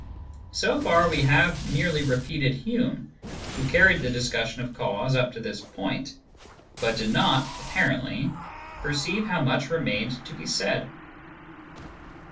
So far, we have merely repeated Hume, who carried the discussion of cause up to this point, but did not, apparently, perceive how much remained to be said.